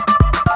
kau mau kemana